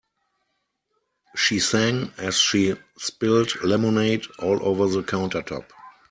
She sang as she spilled lemonade all over the countertop.